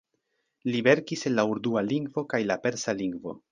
Li verkis en la urdua lingvo kaj la persa lingvo.